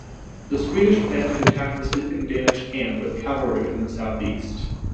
The Swedish planned to attack the sleeping Danish camp with cavalry from the southeast.